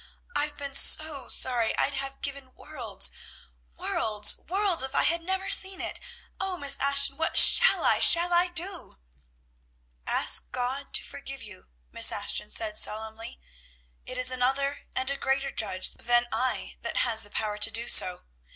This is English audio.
I've been so sorry. I'd have given worlds, worlds, worlds, if I had never seen it! O Miss Ashton, what shall I, shall I do?" "Ask God to forgive you," Miss Ashton said solemnly. "It is another and a greater judge than I that has the power to do so.